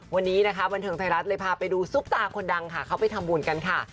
วันนี้นะคะบันเทิงไทยรัฐเลยพาไปดูซุปตาคนดังค่ะเขาไปทำบุญกันค่ะ